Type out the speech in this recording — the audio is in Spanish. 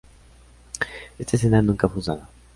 Esta escena nunca fue usada.